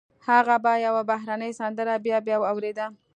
هغه به يوه بهرنۍ سندره بيا بيا اورېده.